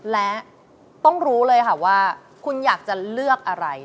และต้องรู้เลยค่ะว่าคุณอยากจะเลือกอะไร